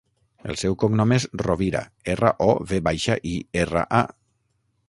El seu cognom és Rovira: erra, o, ve baixa, i, erra, a.